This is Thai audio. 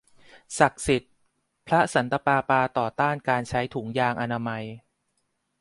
ศักดิ์สิทธิ์ ! พระสันตะปาปาต่อต้านการใช้ถุงยางอนามัย